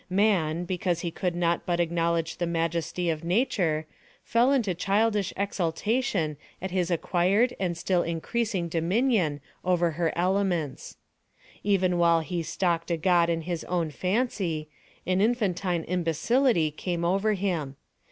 Man, because he could not but acknowledge the majesty of Nature, fell into childish exultation at his acquired and still increasing dominion over her elements. Even while he stalked a God in his own fancy, an infantine imbecility came over him.